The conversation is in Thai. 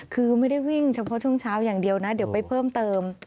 คือไม่ได้วิ่งเฉพาะช่วงเช้าอย่างเดียวนะเดี๋ยวไปเพิ่มเติม